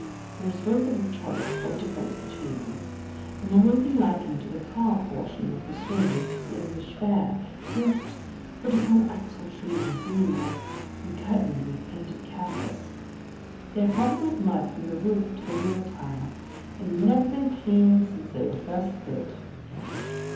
There is very little choice or difference between them; and they may be likened to the car portion of the swings at an English fair, roofed, put upon axle trees and wheels, and curtained with painted canvas. They are covered with mud from the roof to the wheel tire, and have never been cleaned since they were first built.